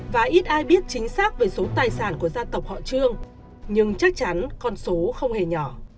và ít ai biết chính xác về số tài sản của dân tộc họ chưa nhưng chắc chắn con số không hề nhỏ